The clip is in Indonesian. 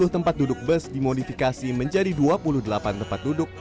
sepuluh tempat duduk bus dimodifikasi menjadi dua puluh delapan tempat duduk